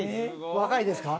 若いですか？